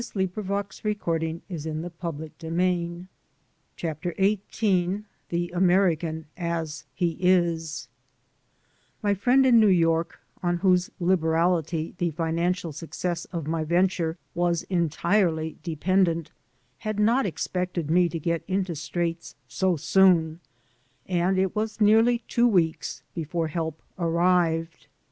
My poor, bewildered brain was unable to answer. xvm THE AMERICAN AS HE IS MY friend in New York, on whose liberaKty the jGnandal success of my venture was entirely de pendent, had not expected me to get into straits so soon, and it was nearly two weeks before help arrived.